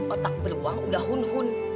otak beruang udah hun hun